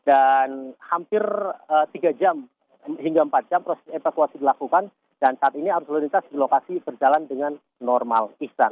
dan hampir tiga jam hingga empat jam proses evakuasi dilakukan dan saat ini absolutitas di lokasi berjalan dengan normal